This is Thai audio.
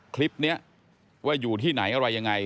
คลิปนี้ว่าอยู่ที่ไหนอะไรยังไง